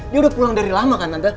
dia udah pulang dari lama kan anda